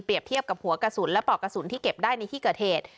เปรียบเทียบกับหัวกระสุนและแป่ากระสุนที่เก็บได้ในที่กเกิด